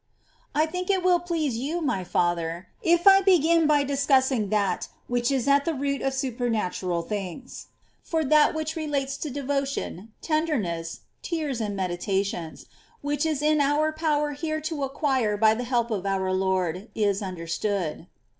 2. I think it will please you, my father, if I begin by ' See Life^ ch. xxvii. § 5. 422 S. TERESA'S RELATIONS [REL. VIII. discussing that which is at the root of supernatural things ; for that which relates to devotion, tenderness, tears, and medi tations, which is in our power here to acquire by the help of our Lord; is understood.